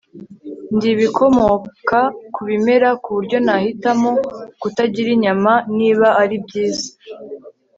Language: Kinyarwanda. Ndi ibikomoka ku bimera ku buryo nahitamo kutagira inyama niba ari byiza